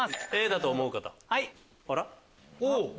Ｂだと思う方？